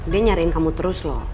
dia nyariin kamu terus loh